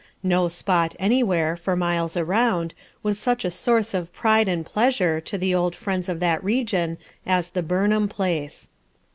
No spot anywhere, for miles around, was such a source of pride and pleasure to the old friends of that region as the Burnham. place.